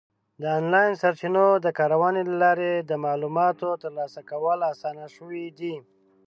د آنلاین سرچینو د کارونې له لارې د معلوماتو ترلاسه کول اسان شوي دي.